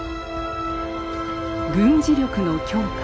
軍事力の強化。